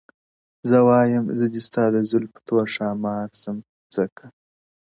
زه وايم ـ زه دې ستا د زلفو تور ښامار سم؛ ځکه ـ